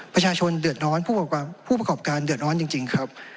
ประชาชนเดือดร้อนผู้ประกอบการเดือดร้อนจริงครับ